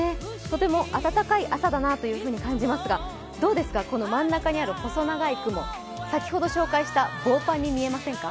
とても暖かい朝だなというふうに感じますが、どうですか、この真ん中にある細長い雲先ほど紹介した棒パンに見えませんか？